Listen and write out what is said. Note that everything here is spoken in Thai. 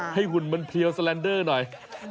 หุ่นมันเพลียวสแลนเดอร์หน่อย